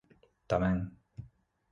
–Tamén.